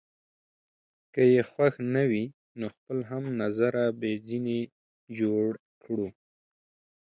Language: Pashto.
که يې خوښ نه وي، نو خپل هم نظره به ځینې جوړ کړو.